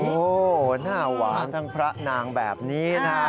โอ้โหหน้าหวานทั้งพระนางแบบนี้นะฮะ